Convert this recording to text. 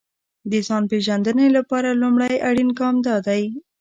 د ځان پېژندنې لپاره لومړی اړين ګام دا دی.